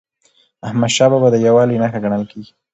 احمدشاه بابا د یووالي نښه ګڼل کېږي.